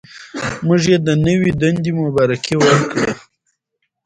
موږ یې د نوې دندې مبارکي ورکړه.